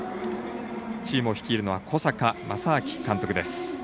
チームを率いるのは小坂将商監督です。